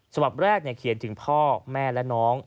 ฉบับแรกเขียนถึงพ่อแม่และน้อง